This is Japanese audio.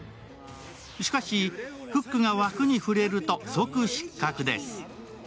しかしフックが枠に触れると即失格です。